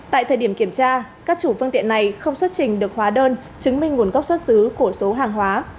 tại thời điểm kiểm tra các chủ phương tiện này không xuất trình được hóa đơn chứng minh nguồn gốc xuất xứ của số hàng hóa